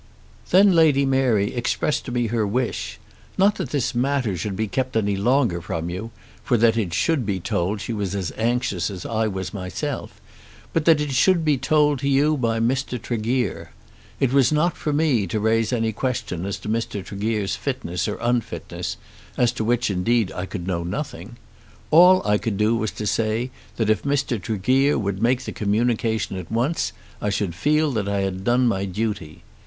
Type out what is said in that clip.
Then Lady Mary expressed to me her wish, not that this matter should be kept any longer from you, for that it should be told she was as anxious as I was myself, but that it should be told to you by Mr. Tregear. It was not for me to raise any question as to Mr. Tregear's fitness or unfitness, as to which indeed I could know nothing. All I could do was to say that if Mr. Tregear would make the communication at once, I should feel that I had done my duty.